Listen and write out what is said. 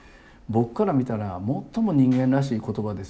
僕から見たら最も人間らしい言葉ですよ